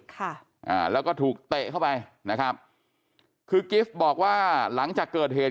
ค่ะอ่าแล้วก็ถูกเตะเข้าไปนะครับคือกิฟต์บอกว่าหลังจากเกิดเหตุ